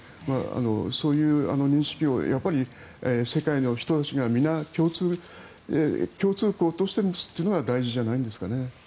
そういう認識を世界の人たちが皆、共通項として持つということが大事じゃないんですかね。